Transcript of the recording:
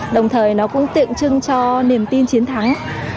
đồng thời nó cũng tượng trưng cho niềm tin chiến thắng